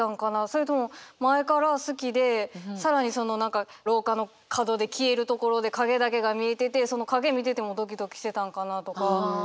それとも前から好きで更にその何か廊下の角で消えるところで影だけが見えててその影見ててもドキドキしてたんかなとか。